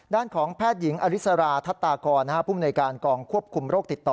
ด้านของแพทย์หญิงอริสราทัศตากรผู้มนวยการกองควบคุมโรคติดต่อ